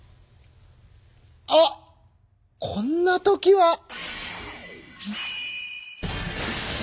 あっこんな時は！